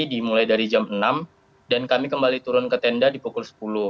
dimulai dari jam enam dan kami kembali turun ke tenda di pukul sepuluh